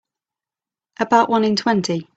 About one in twenty.